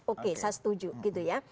oke saya setuju gitu ya